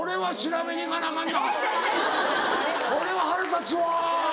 これは腹立つわ。